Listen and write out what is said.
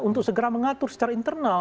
untuk segera mengatur secara internal